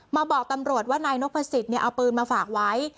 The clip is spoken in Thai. บอกตำรวจว่านายนพสิทธิ์เอาปืนมาฝากไว้